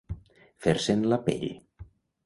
Fer-se'n la pell.